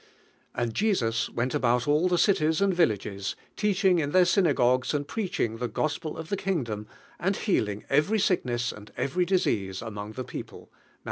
"And Jesus went about all the eilies and villages, teaching in their syna gogues and preaching the Gospel of the kingdom, and healing every sickness anil every disease among Hie people" (Malt.